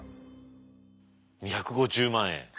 ２５０万円。